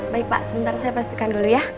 baik pak sebentar saya pastikan dulu ya